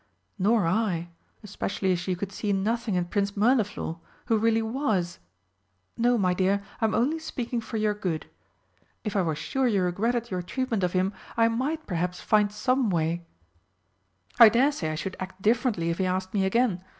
"Nor I especially as you could see nothing in Prince Mirliflor, who really was no, my dear, I'm only speaking for your good. If I was sure you regretted your treatment of him, I might perhaps find some way " "I dare say I should act differently if he asked me again.